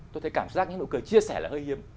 tôi thấy cảm giác những nụ cười chia sẻ là hơi hiếm